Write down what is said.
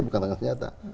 bukan dengan senyata